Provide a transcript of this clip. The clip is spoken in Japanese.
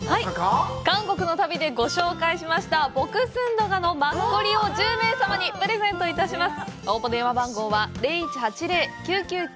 韓国の旅でご紹介しましたボクスンドガのマッコリを１０名様にプレゼントします。